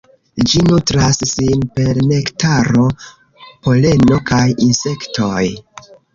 Ĝi nutras sin per nektaro, poleno kaj insektoj.